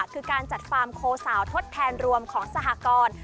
คือการจัดฟาร์มโคสาวทดแทนรวมของสหกร